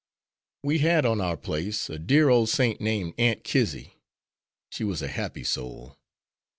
We had on our place a dear, old saint, named Aunt Kizzy. She was a happy soul.